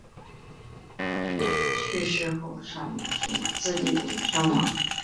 石虎于石勒去世后杀石弘自立为天王。